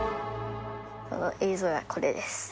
その映像がこれです。